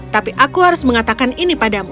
tapi aku harus mengatakan ini padamu